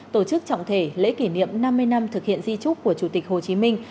tổ chức trọng thể lễ kỷ niệm năm mươi năm thực hiện di trúc của chủ tịch hồ chí minh